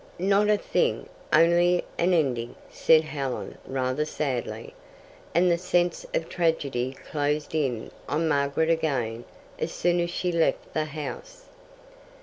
"Not a thing, only an ending," said Helen rather sadly; and the sense of tragedy closed in on Margaret again as soon as she left the house.